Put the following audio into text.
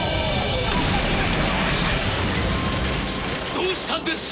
どうしたんです